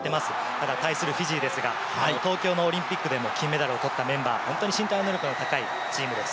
ただ、対するフィジーですが、東京のオリンピックでも金メダルをとったメンバー、本当に身体能力の高いチームです。